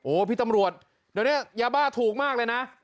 พี่ตำรวจเดี๋ยวนี้ยาบ้าถูกมากเลยนะ